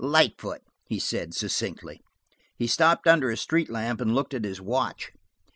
"Lightfoot," he said succinctly. He stopped under a street lamp and looked at his watch.